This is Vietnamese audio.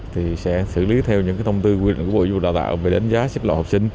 thì sẽ xử lý theo những thông tư quy định của bộ dụng đào tạo về đánh giá xếp lộ học sinh